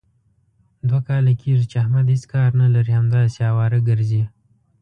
دوه کاله کېږي، چې احمد هېڅ کار نه لري. همداسې اواره ګرځي.